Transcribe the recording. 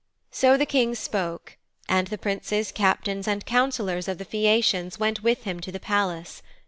So the King spoke, and the Princes, Captains and Councillors of the Phæacians went with him to the palace.